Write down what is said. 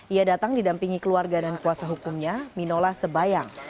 ia datang didampingi keluarga dan kuasa hukumnya minola sebayang